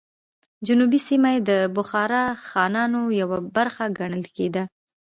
جنوبي سیمه یې د بخارا خانانو یوه برخه ګڼل کېده.